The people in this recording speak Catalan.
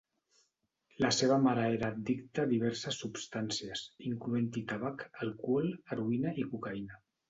La seva mare era addicta a diverses substàncies, incloent-hi tabac, alcohol, heroïna i cocaïna.